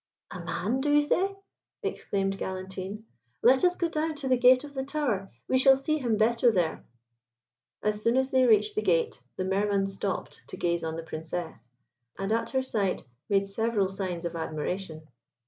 "A man do you say," exclaimed Galantine; "let us go down to the gate of the tower, we shall see him better there." As soon as they reached the gate, the Mer man stopped to gaze on the Princess, and at her sight made several signs of admiration.